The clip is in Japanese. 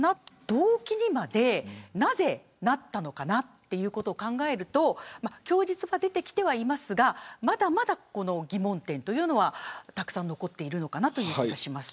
動機にまで、なぜなったのかということを考えると供述は出てきてはいますがまだまだ疑問点というのはたくさん残っているという気がします。